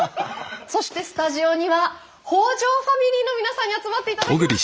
そしてスタジオには北条ファミリーの皆さんに集まっていただきました。